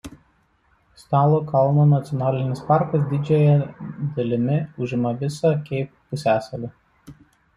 Stalo kalno nacionalinis parkas didžiąja dalimi užima visą Keip pusiasalį.